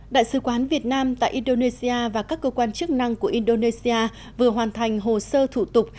đại sứ quán việt nam tại indonesia và các cơ quan chức năng của indonesia vừa hoàn thành hồ sơ thủ tục